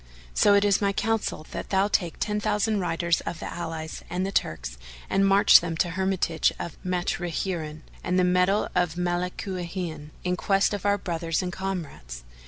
So it is my counsel that thou take ten thousand riders of the allies and the Turks, and march them to the hermitage of Matruhina and the meadow of Malúkhiná in quest of our brothers and comrades.